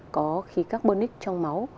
có khí carbonic trong máu